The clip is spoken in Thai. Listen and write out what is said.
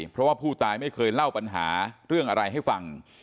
เพราะว่าผู้ตายไม่เคยเล่าปัญหาเรื่องอะไรให้ฟัง